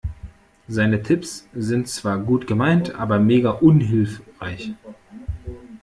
Seine Tipps sind zwar gut gemeint aber mega unhilfreich.